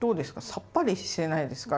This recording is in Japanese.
さっぱりしてないですか？